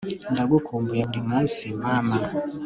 ndagukumbuye burimunsi, mama